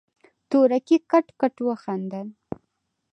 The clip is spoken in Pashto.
تورکي کټ کټ وخندل.